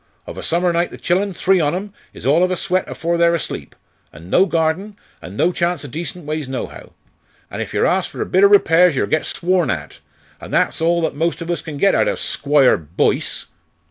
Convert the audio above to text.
Ov a summer night the chillen, three on 'em, is all of a sweat afore they're asleep. An' no garden, an' no chance o' decent ways nohow. An' if yer ask for a bit o' repairs yer get sworn at. An' that's all that most on us can get out of Squire Boyce!"